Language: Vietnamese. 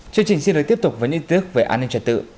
chương trình xin lời tiếp tục với những tiếc về an ninh trật tự